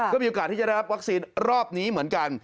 ก็มีโอกาสที่จะได้รับวัคซีนรอบนี้เหมือนกัน